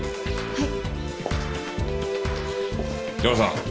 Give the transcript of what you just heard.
はい。